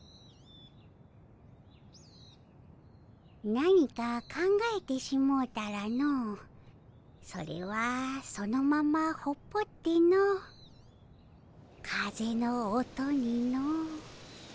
何か考えてしもうたらのそれはそのままほっぽっての風の音にの。